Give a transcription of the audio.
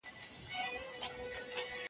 زه به هڅه وکړم چې ستا ریکارډ مات کړم.